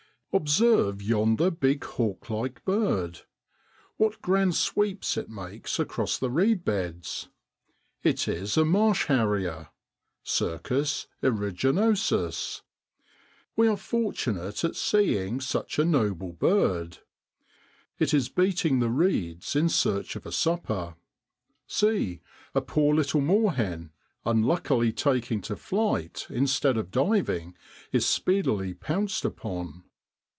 Observe yonder big hawk like bird! What grand sweeps it makes across the reed beds. It is a marsh harrier (Circus ceruginosus). We are fortunate at see ing such a noble bird. It is beating the reeds in search of a supper. See ! a poor little moorhen, unluckily taking to flight instead of diving, is speedily pounced upon.